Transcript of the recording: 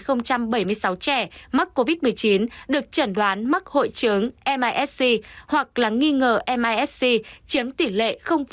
bệnh viện covid một mươi chín được chẩn đoán mắc hội chứng misg hoặc là nghi ngờ misg chiếm tỷ lệ bốn